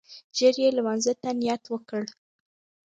ژر يې لمانځه ته نيت وکړ.